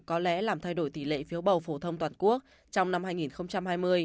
có lẽ làm thay đổi tỷ lệ phiếu bầu phổ thông toàn quốc trong năm hai nghìn hai mươi